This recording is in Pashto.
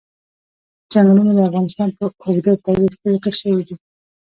چنګلونه د افغانستان په اوږده تاریخ کې ذکر شوی دی.